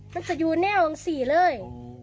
มันจะอยู่แนวจาง๔เลย